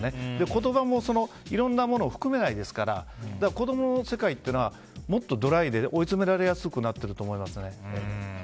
言葉もいろんなものを含めないですから子供の世界というのはもっとドライで追い詰められやすくなっていると思いますね。